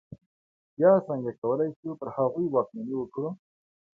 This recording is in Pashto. بیا څنګه کولای شو پر هغوی واکمني وکړو.